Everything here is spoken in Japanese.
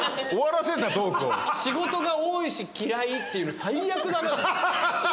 仕事が多いし嫌いっていうの。